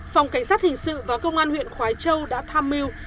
phòng cảnh sát hình sự và công an huyện khói châu đã tham mưu